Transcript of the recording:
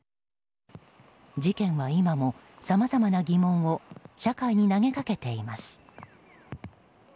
事件は今もさまざまな疑問を社会に投げかけています。